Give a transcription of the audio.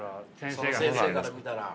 その先生から見たら。